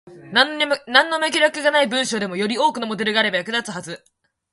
なんの脈絡がない文章でも、より多くのモデルがあれば役立つはず。